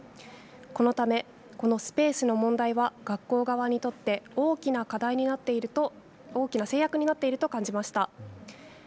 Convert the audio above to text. このため、このスペースの問題は学校側にとって大きな課題、大きな制約になっていると感じました。